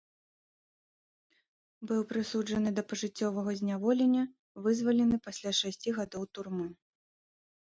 Быў прысуджаны да пажыццёвага зняволення, вызвалены пасля шасці гадоў турмы.